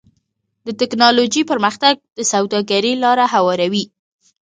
د ټکنالوجۍ پرمختګ د سوداګرۍ لاره هواروي.